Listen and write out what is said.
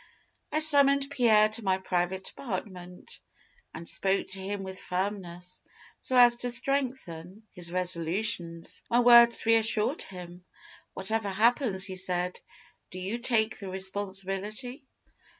"I summoned Pierre to my private apartment, and spoke to him with firmness, so as to strengthen his resolutions. My words reassured him. 'Whatever happens,' he said, 'do you take the responsibility?'